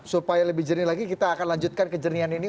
supaya lebih jernih lagi kita akan lanjutkan kejernihan ini